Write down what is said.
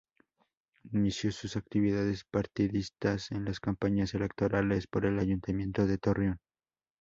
Inició sus actividades partidistas en las campañas electorales por el Ayuntamiento de Torreón.